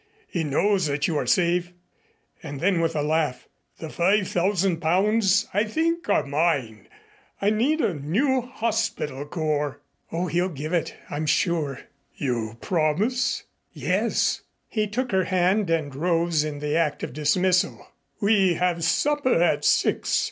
He knows that you are safe." And then with a laugh, "The five thousand pounds I think are mine. I need a new hospital corps." "Oh, he'll give it, I'm sure." "You promise?" "Yes." He took her hand and rose in the act of dismissal. "We have supper at six.